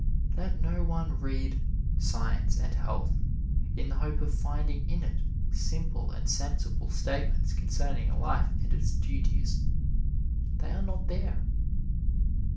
Let no one read "Science and Health" in the hope of finding in it simple and sensible statements concerning life and its duties. They are not there.